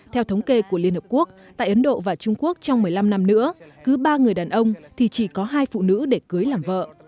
theo thống kê của liên hợp quốc tại ấn độ và trung quốc trong một mươi năm năm nữa cứ ba người đàn ông thì chỉ có hai phụ nữ để cưới làm vợ